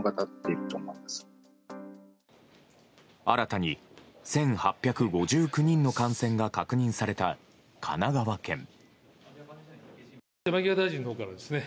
新たに１８５９人の感染が確認された神奈川県。